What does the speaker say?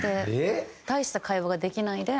大した会話ができないで。